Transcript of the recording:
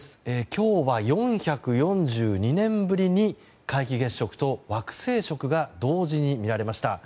今日は４４２年ぶりに皆既月食と惑星食が同時に見られました。